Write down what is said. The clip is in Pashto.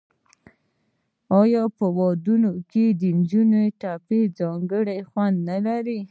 آیا په ودونو کې د ښځو ټپې ځانګړی خوند نلري؟